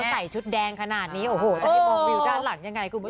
ใส่ชุดแดงขนาดนี้โอ้โหจะได้มองวิวด้านหลังยังไงคุณผู้ชม